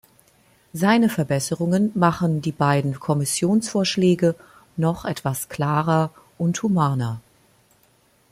Seine Verbesserungen machen die beiden Kommissionsvorschläge noch etwas klarer und humaner.